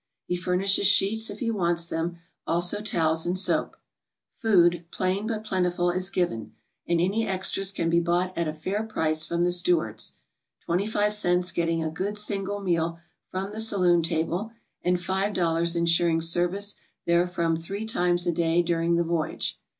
He furnishes sheets if he wants them, also towels and soap. Food, plain, but plentiful, is given, and any extras can be bought at a fair price from the stewards, 25 cents getting a good single meal from the saloon table, and $5 ensuring service therefrom three times a day during the voyage.